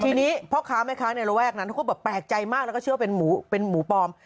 ทีนี้พ่อค้าแม่ค้าในระแวกนั้นเขาก็แบบแปลกใจมากแล้วก็เชื่อว่าเป็นหมูเป็นหมูปลอม